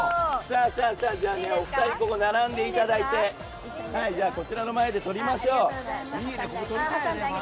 お二人、並んでいただいてこちらの前で撮りましょうか。